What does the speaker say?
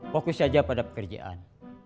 fokus saja pada pekerjaan